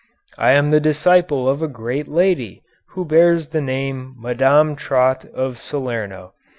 I am the disciple of a great lady, who bears the name of Madame Trot of Salerno.